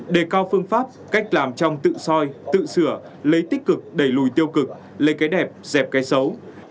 đề cao phương pháp cách làm trong tự soi tự sửa lấy tích cực đẩy lùi tiêu cực lấy cái đẹp dẹp cái xấu